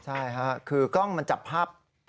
ใช่ค่ะคือกล้องมันจะพับ